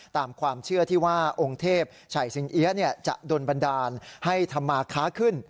ตามความเชื่อที่ว่าองค์เทพชัยสิงเอี๊ยะจะโดนบันดาลให้ธรรมาค้าขึ้น